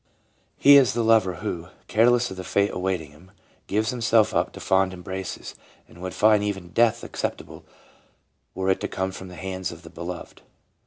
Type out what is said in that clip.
336 leuba : He is the lover who, careless of the fate awaiting him, gives himself up to fond embraces, and would find even death ac ceptable were it to come from the hands of the beloved.